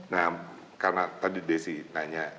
nah karena tadi desi nanya